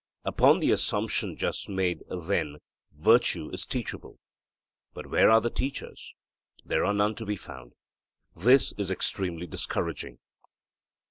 Upon the assumption just made, then, virtue is teachable. But where are the teachers? There are none to be found. This is extremely discouraging.